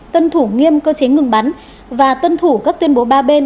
tuân thủ nghiêm cơ chế ngừng bắn và tuân thủ các tuyên bố ba bên